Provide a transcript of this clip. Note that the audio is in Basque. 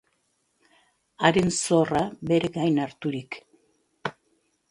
Haren zorra bere gain harturik.